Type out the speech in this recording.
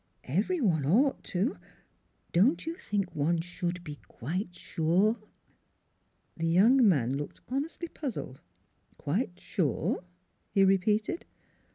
... Every one ought to don't you think one should be quite sure?" The young man looked honestly puzzled. " Quite sure " he repeated.